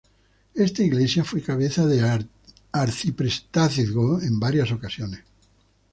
Esta iglesia fue cabeza de arciprestazgo en varias ocasiones.